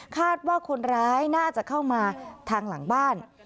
คาดว่าคนร้ายน่าจะเข้ามาทางหลังบ้าน